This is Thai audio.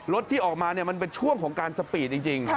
ที่ออกมามันเป็นช่วงของการสปีดจริง